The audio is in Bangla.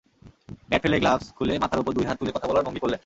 ব্যাট ফেলে-গ্লাভস খুলে মাথার ওপর দুই হাত তুলে কথা বলার ভঙি করলেন।